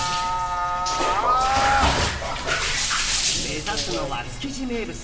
目指すのは築地名物。